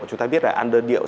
chúng ta biết là ăn đơn điệu